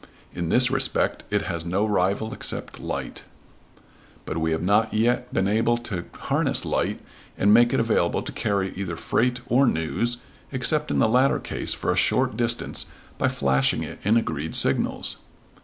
In this respect it has no rival except light. But we have not been able to harness light and make it available to carry either freight or news, except in the latter case for a short distance by flashing it in agreed signals.